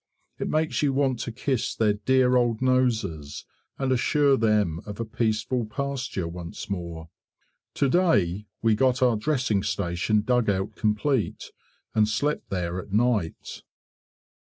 It makes you want to kiss their dear old noses, and assure them of a peaceful pasture once more. To day we got our dressing station dugout complete, and slept there at night.